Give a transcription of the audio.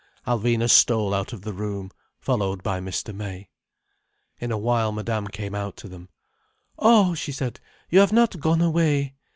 Alvina stole out of the room, followed by Mr. May. In a while Madame came out to them. "Oh," she said. "You have not gone away!